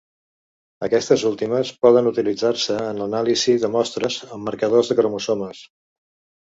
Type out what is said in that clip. Aquestes últimes poden utilitzar-se en l’anàlisi de mostres amb marcadors de cromosomes.